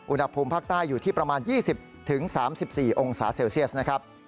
อุณหภูมิภาคใต้อยู่ที่ประมาณ๒๐๓๔องศาเซลเซียสนะครับ